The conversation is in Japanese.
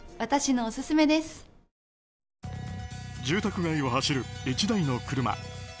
住宅街を走る１台の車。